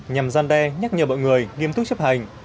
nhằm gian đe nhắc nhở mọi người nghiêm túc chấp hành